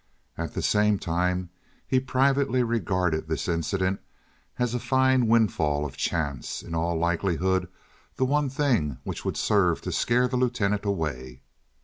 At the same time he privately regarded this incident as a fine windfall of chance—in all likelihood the one thing which would serve to scare the Lieutenant away.